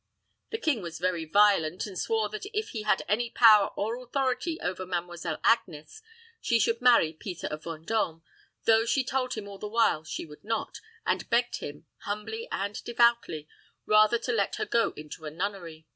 The king was very violent, and swore that if he had any power or authority over Mademoiselle Agnes, she should marry Peter of Vendôme, though she told him all the while she would not, and begged him, humbly and devoutly, rather to let her go into a nunnery.